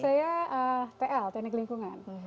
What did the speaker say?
saya tl teknik lingkungan